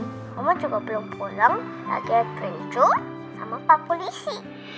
lagi adventure sama pak polisi